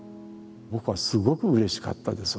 僕はすごくうれしかったです